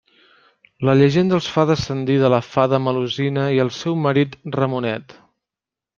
La llegenda els fa descendir de la fada Melusina i el seu marit Ramonet.